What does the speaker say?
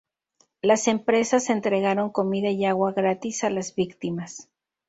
Las empresas entregaron comida y agua gratis a las víctimas.